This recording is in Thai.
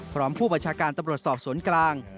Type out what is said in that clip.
พร้อมผู้ประชาการตะบรดสอบสวนกลาง